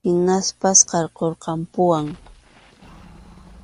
Hinaspas qarqurqampuwan.